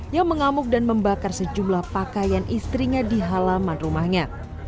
yang mengamuk dan membakar sejumlah pakaian istrinya di halaman rumahnya